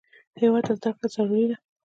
هېواد ته زده کړه ضروري ده